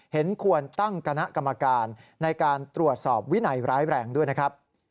เห็นควรตั้งคณะกรรมการในการตรวจสอบวินัยร้ายแรงด้วยนะครับ